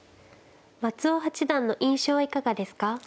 松尾八段の印象はいかがですか。